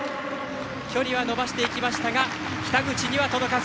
距離は伸ばしていきましたが北口には届かず。